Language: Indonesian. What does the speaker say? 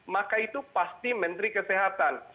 maka itu pasti menteri kesehatan